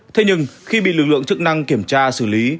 thế nhưng khi bị lực lượng chức năng kiểm tra xử lý